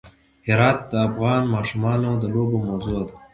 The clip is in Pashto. هرات د افغان ماشومانو د لوبو موضوع ده.